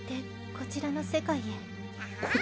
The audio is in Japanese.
こちらの世界？